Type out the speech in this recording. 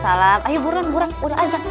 ayo buruan buruan udah azan